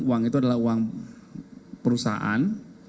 uang itu adalah uang perusahaan